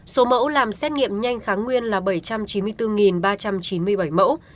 số mẫu làm xét nghiệm nhanh kháng nguyên là bảy trăm chín mươi bốn ba trăm chín mươi bảy mẫu